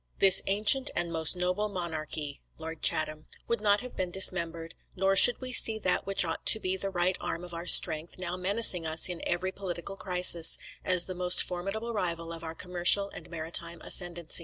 "This ancient and most noble monarchy" [Lord Chatham.] would not have been dismembered; nor should we see that which ought to be the right arm of our strength, now menacing us in every political crisis, as the most formidable rival of our commercial and maritime ascendancy.